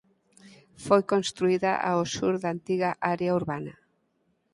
Foi construída ao sur da antiga área urbana.